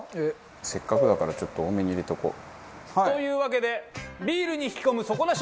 せっかくだからちょっと多めに入れとこう。というわけで。